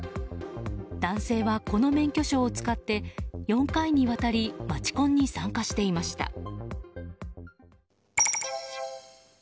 男性はこの免許証を使って４回にわたり街コンに参加していました。